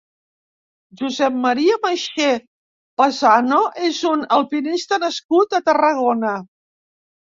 Josep Maria Maixé Pasano és un alpinista nascut a Tarragona.